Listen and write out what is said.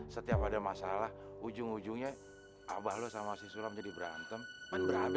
setiap ada masalah ujung ujungnya abah lo sama siswa menjadi berantem